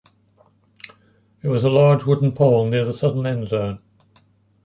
It was a large wooden pole near the southern end zone.